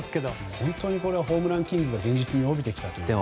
本当にホームランキングが現実味を帯びてきたといっても。